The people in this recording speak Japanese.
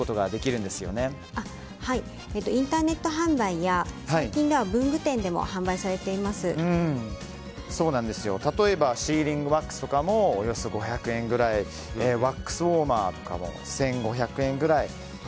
インターネット販売や最近では文具店でも例えばシーリングワックスとかもおよそ５００円くらいワックスウォーマーとかも１５００円くらい。